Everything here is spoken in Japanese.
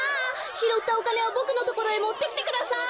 ひろったおかねはボクのところへもってきてください！